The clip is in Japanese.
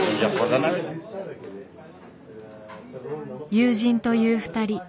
友人という２人。